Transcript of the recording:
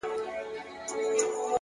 د تمرکز دوام بریا ته نږدې کوي.